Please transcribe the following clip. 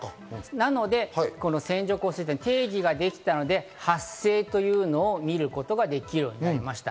なので線状降水帯の定義ができたので、発生というのを見ることができるようになりました。